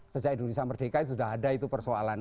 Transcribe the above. sejak indonesia merdeka sudah ada itu persoalan